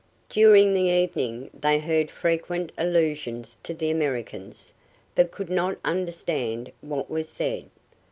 During the evening they heard frequent allusions to "the Americans," but could not understand what was said.